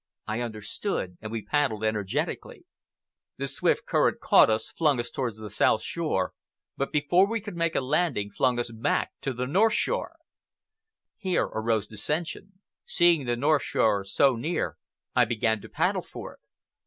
I understood, and we paddled energetically. The swift current caught us, flung us toward the south shore, but before we could make a landing flung us back toward the north shore. Here arose dissension. Seeing the north shore so near, I began to paddle for it.